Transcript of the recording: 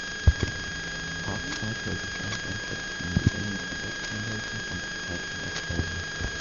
AustCycle is a joint venture between the Amy Gillett Foundation and Cycling Australia.